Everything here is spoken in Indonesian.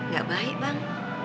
gak baik bang